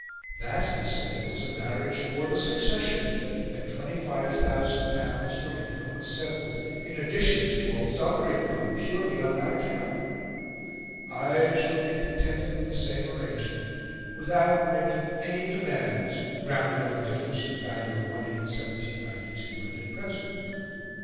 "That," he said, "was a marriage for the succession, and L25,000 for income was settled, in addition to all his other income, purely on that account. I shall be contented with the same arrangement, without making any demands grounded on the difference of the value of money in 1792 and at present.